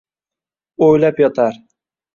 O’ylab yotar